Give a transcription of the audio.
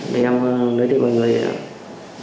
để em nói thêm mọi người